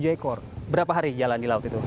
tujuh ekor berapa hari jalan di laut itu